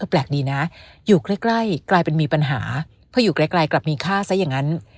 แปลกดีนะอยู่ใกล้กลายเป็นมีปัญหาเพราะอยู่ไกลกลับมีค่าซะอย่างนั้น